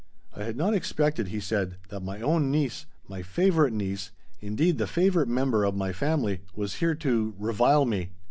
"I had not expected," he said, "that my own niece, my favorite niece indeed, the favorite member of my family was here to revile me."